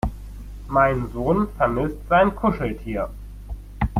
Mein Sohn vermisst sein Kuscheltier.